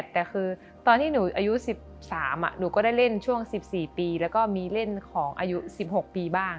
แต่คือตอนที่หนูอายุ๑๓หนูก็ได้เล่นช่วง๑๔ปีแล้วก็มีเล่นของอายุ๑๖ปีบ้าง